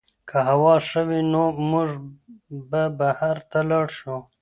که هوا ښه وي نو موږ به بهر ته لاړ شو.